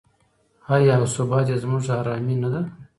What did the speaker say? آیا او ثبات یې زموږ ارامي نه ده؟